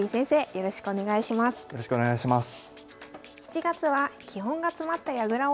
よろしくお願いします。